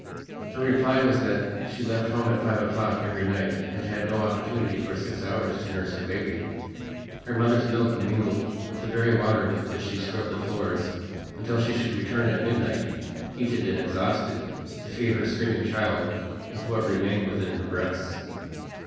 Her reply was that she left home at five o'clock every night and had no opportunity for six hours to nurse her baby. Her mother's milk mingled with the very water with which she scrubbed the floors until she should return at midnight, heated and exhausted, to feed her screaming child with what remained within her breasts.